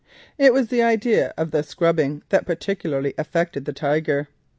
It was the idea of the scrubbing that particularly affected the Tiger.